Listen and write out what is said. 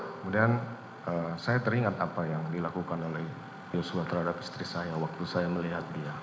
kemudian saya teringat apa yang dilakukan oleh yosua terhadap istri saya waktu saya melihat dia